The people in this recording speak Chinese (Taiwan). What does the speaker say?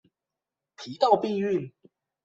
提到避孕